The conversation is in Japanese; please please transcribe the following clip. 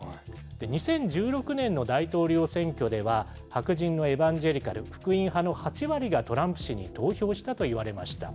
２０１６年の大統領選挙では、白人のエバンジェリカル・福音派の８割がトランプ氏に投票したといわれました。